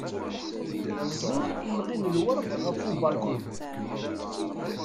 Ẓẓiɣ imɣi n lwerd ɣef ubalkun.